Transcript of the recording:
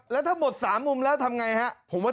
แล้วถ้าหมดสามมุมแล้วทำไงฮะผมว่า